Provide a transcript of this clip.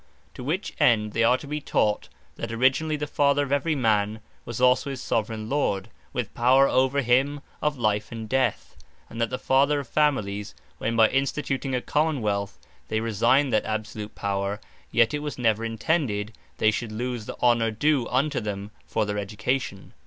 To which end they are to be taught, that originally the Father of every man was also his Soveraign Lord, with power over him of life and death; and that the Fathers of families, when by instituting a Common wealth, they resigned that absolute Power, yet it was never intended, they should lose the honour due unto them for their education.